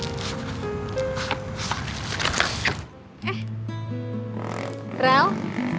gue kepikiran yang tadi pak